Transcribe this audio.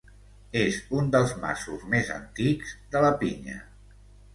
És un dels masos més antics de la Pinya.